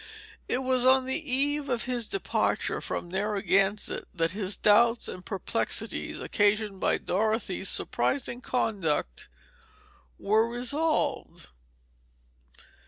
It was on the eve of his departure from Narragansett that his doubts and perplexities occasioned by Dorothy's surprising conduct were resolved.